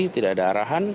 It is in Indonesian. jadi tidak ada arahan